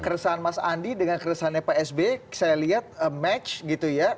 keresahan mas andi dengan keresahannya pak sby saya lihat match gitu ya